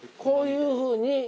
こういうふうに。